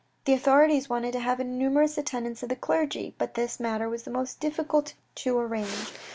The authorities wanted to have a numerous attendance of the clergy, but this matter was the most difficult to arrange.